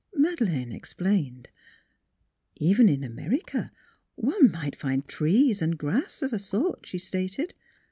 Madeleine explained. Even in America one might find trees and grass, of a sort, she stated.